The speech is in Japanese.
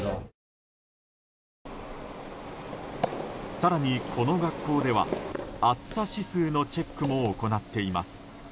更に、この学校では暑さ指数のチェックも行っています。